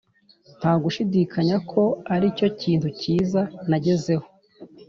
ntagushidikanya ko aricyo kintu cyiza nagezeho,